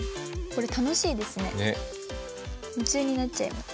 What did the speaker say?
夢中になっちゃいます。